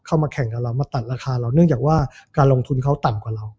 มาแข่งกับเรามาตัดราคาเราเนื่องจากว่าการลงทุนเขาต่ำกว่าเรา